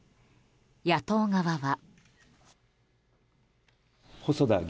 野党側は。